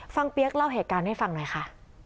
เปี๊ยกเล่าเหตุการณ์ให้ฟังหน่อยค่ะ